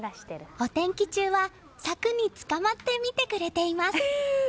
お天気中は柵につかまって見てくれています。